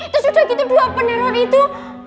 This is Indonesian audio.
terus udah gitu dua peneror itu